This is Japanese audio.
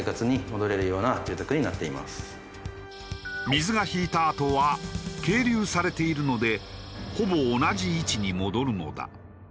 水が引いたあとは係留されているのでほぼ同じ位置に戻るのだ。